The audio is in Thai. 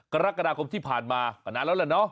กรกฎาคมที่ผ่านมาก็นานแล้วแหละเนาะ